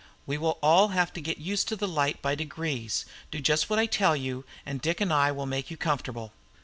We shall all have to get used to the light by degrees, do just what I tell you, and Dick and I will make you comfortable."